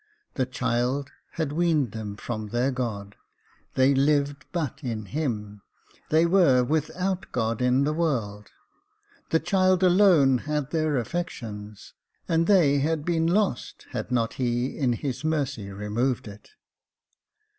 The child had weaned them from their God j they lived but in him ; they were without God in the world. The child alone had their affections, and they had been lost, had not he in his mercy removed it.